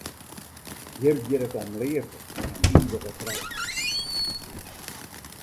Hjir giet it om leafde en ivige trou.